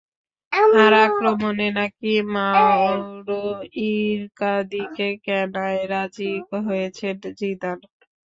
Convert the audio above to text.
আর আক্রমণে নাকি মাওরো ইকার্দিকে কেনায় রাজি হয়েছেন জিদান।